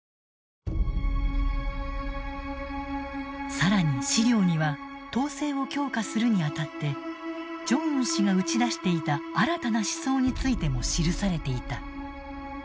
更に資料には統制を強化するにあたってジョンウン氏が打ち出していた新たな思想についても記されていた。